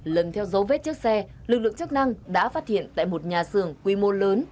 lần theo dấu vết chiếc xe lực lượng chức năng đã phát hiện tại một nhà xưởng quy mô lớn